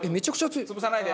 もう潰さないで。